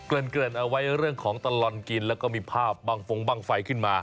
เกินเอาไว้เรื่องของตลอดกินแล้วก็มีภาพบังฟงบ้างไฟขึ้นมา